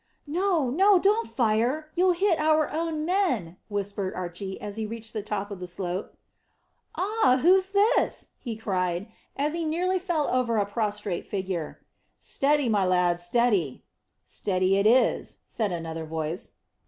"No, no, don't fire! You'll hit our own men," whispered Archy, as he reached the top of the slope. "Ah! Who's this?" he cried, as he nearly fell over a prostrate figure. "Steady, my lad, steady!" "Steady it is," said another voice.